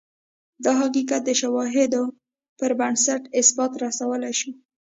دا حقیقت د شواهدو پربنسټ اثبات رسولای شو.